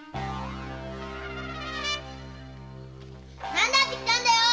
何だって来たんだよ